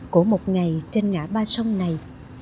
của một ngày trên ngã ba sông này